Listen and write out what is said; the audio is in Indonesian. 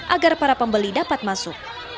agar para pembeli dapat masuk